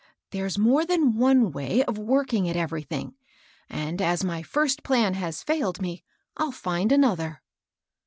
There's more than one way of working at everything, and, as my first plan has fidled me, I'll find another."